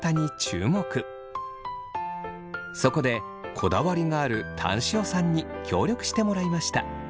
そこでこだわりがあるタン塩さんに協力してもらいました。